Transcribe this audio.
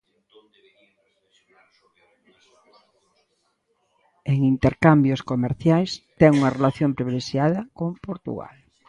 En intercambios comerciais ten unha relación privilexiada con Portugal.